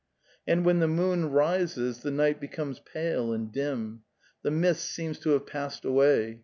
And when the moon rises the night becomes pale and dim. 'The mist seems to have passed away.